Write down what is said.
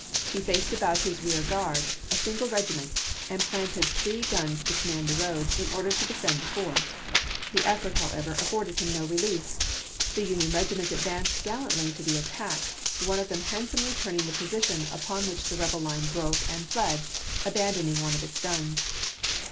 He faced about his rear guard, a single regiment, and planted three guns to command the road, in order to defend the ford. The effort, however, afforded him no relief. The three Union regiments advanced gallantly to the attack, one of them handsomely turning the position, upon which the rebel line broke and fled, abandoning one of its guns.